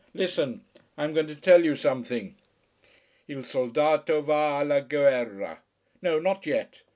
Listen. I am going to tell you something. Il soldato va alla guerra No no, Not yet.